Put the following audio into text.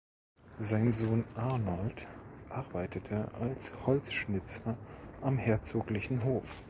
Sein Sohn Arnold arbeitete als Holzschnitzer am herzoglichen Hof.